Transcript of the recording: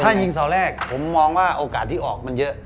ถ้ายิงเสาแรกผมมองว่าโอกาสที่ออกมันเยอะ